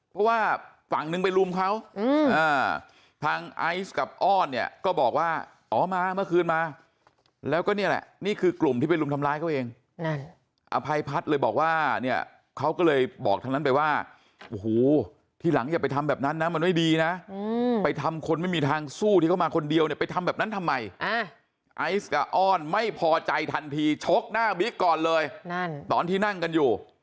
ทางไอซ์กับอ้อนเนี่ยก็บอกว่าอ๋อมาเมื่อคืนมาแล้วก็เนี่ยแหละนี่คือกลุ่มที่ไปรุมทำร้ายเขาเองอภัยพัฒน์เลยบอกว่าเนี่ยเขาก็เลยบอกทั้งนั้นไปว่าที่หลังอย่าไปทำแบบนั้นนะมันไม่ดีนะไปทำคนไม่มีทางสู้ที่เขามาคนเดียวเนี่ย